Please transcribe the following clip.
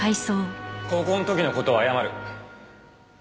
高校の時の事は謝る。